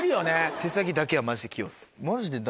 手先だけはマジで器用です。